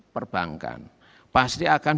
perbankan pasti akan